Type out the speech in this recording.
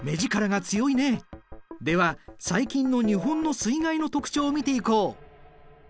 では最近の日本の水害の特徴を見ていこう。